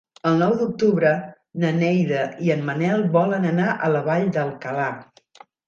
El nou d'octubre na Neida i en Manel volen anar a la Vall d'Alcalà.